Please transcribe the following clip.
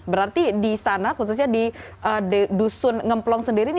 berarti di sana khususnya di dusun ngeplong sendiri